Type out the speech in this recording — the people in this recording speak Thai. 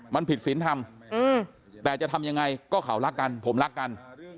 มันผิดศีลธรรมแต่จะทำยังไงก็เขารักกันผมรักกัน